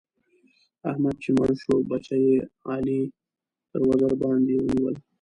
احمد چې مړ شو؛ بچي يې علي تر وزر باندې ونيول.